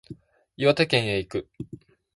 岩手県へ行く